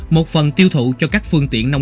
một phần tiêu thụ cho các công ty đình chương